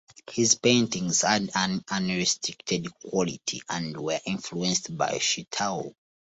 His paintings had an unrestricted quality and were influenced by Shitao.